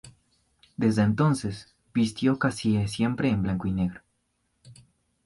Desde entonces, vistió casi siempre en blanco y negro.